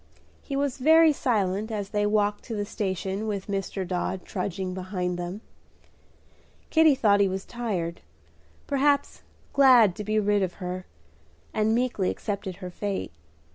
He was very silent as they walked to the station with Dr. Dodd trudging behind them. Kitty thought he was tired, perhaps glad to be rid of her, and meekly accepted her fate.